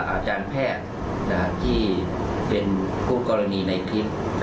อาจารย์แพทย์ที่เป็นผู้กรณีในคลิป